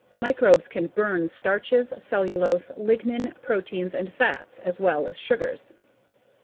Microbes can "burn" starches, cellulose, lignin, proteins, and fats, as well as sugars.